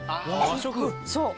そう。